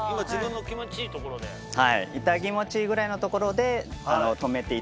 痛気持ちいいぐらいのところで止めていただいて爪先を。